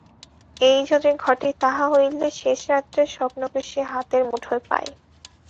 এই যদি ঘটে তাহা হইলেই শেষ রাত্রের স্বপ্নকে সে হাতের মুঠায় পায়।